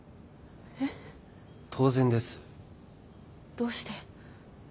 どうして？